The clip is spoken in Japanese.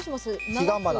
ヒガンバナ！